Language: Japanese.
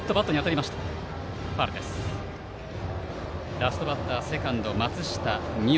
ラストバッターセカンドの松下水音。